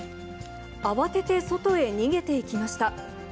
慌てて外へ逃げていきました。